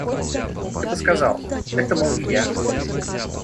Ты бы сказал: это, мол, не я.